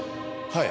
はい！